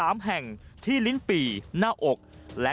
มันกลับมาแล้ว